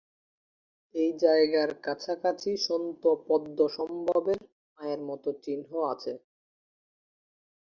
এই জায়গার কাছাকাছি সন্ত পদ্মসম্ভবের পায়ের মত চিহ্ন আছে।